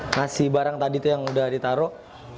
ngasih barang tadi yang sudah ditaruh